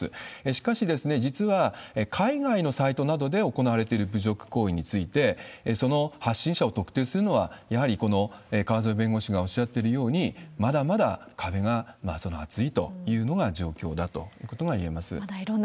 しかし、実は海外のサイトなどで行われている侮辱行為について、その発信者を特定するのは、やはりこの川添弁護士がおっしゃっているように、まだまだ壁が厚いというのが状況だということがいえると思います。